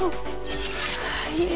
最悪。